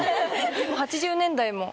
８０年代も。